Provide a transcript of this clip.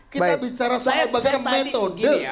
kita bicara soal bagaimana metode